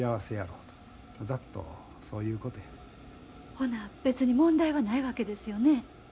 ほな別に問題はないわけですよね。